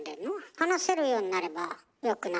話せるようになればよくない？